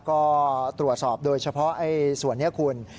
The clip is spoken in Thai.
ก็ตรวจสอบโดยเฉพาะส่วนนี้คุณ